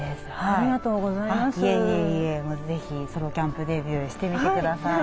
いえいえいえ是非ソロキャンプデビューしてみてください。